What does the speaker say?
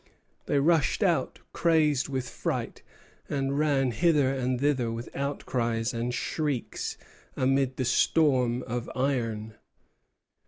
They rushed out, crazed with fright, and ran hither and thither with outcries and shrieks amid the storm of iron.